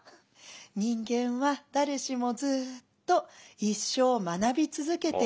「人間は誰しもずっと一生学び続けていくもの。